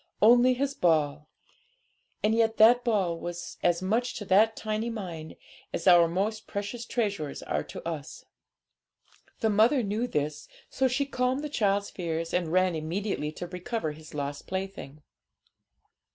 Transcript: Only his ball! And yet that ball was as much to that tiny mind as our most precious treasures are to us. The mother knew this, so she calmed the child's fears, and ran immediately to recover his lost plaything.